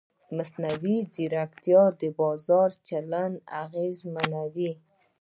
مصنوعي ځیرکتیا د بازار چلند اغېزمنوي.